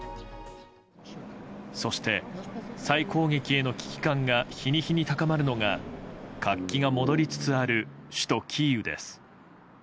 そして、再攻撃への危機感が日に日に高まるのが活気が戻りつつある首都キーウです。